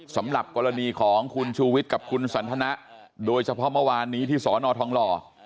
สำหรับกรณีของคุณชูวิทย์กับคุณสันทนะโดยเฉพาะเมื่อวานนี้ที่สอนอทองหล่อ